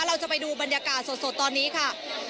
เราจะไปดูบรรยากาศสดตอนนี้ค่ะ